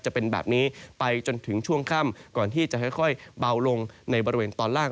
จะเป็นแบบนี้ไปจนถึงช่วงค่ำก่อนที่จะค่อยเบาลงในบริเวณตอนล่าง